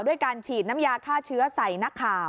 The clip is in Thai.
ด้วยการฉีดน้ำยาฆ่าเชื้อใส่นักข่าว